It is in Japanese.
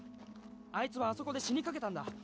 あいつはあそこで死にかけたんだ